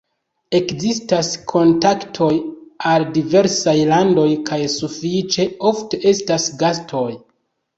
Ekzistas kontaktoj al diversaj landoj kaj sufiĉe ofte estas gastoj.